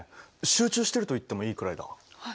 集中してると言ってもいいくらいだ。